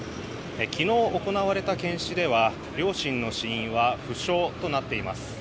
昨日行われた検視では両親の死因は不詳となっています。